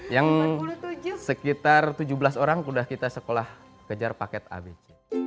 yang sekitar tujuh belas orang sudah kita sekolah kejar paket abc